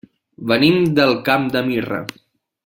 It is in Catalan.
Venim del Camp de Mirra.